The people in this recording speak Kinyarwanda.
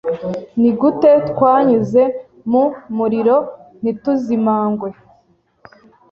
Nigute twanyuze mu muriro ntituzimangwe